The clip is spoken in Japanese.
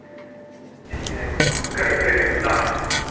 できないことばっかり増えてくんだ。